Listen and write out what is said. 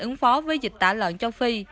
ứng phó với dịch tả lợn châu phi